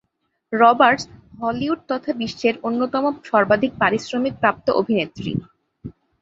Roberts Hollywood তথা বিশ্বের অন্যতম সর্বাধিক পারিশ্রমিক প্রাপ্ত অভিনেত্রী।